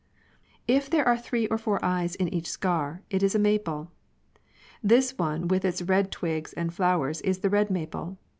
If there are three or four eyes in each scar, it is a maple. This one with its red twigs and flowers is the red maple.